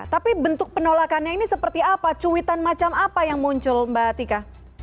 tapi bentuk penolakannya ini seperti apa cuitan macam apa yang muncul mbak tika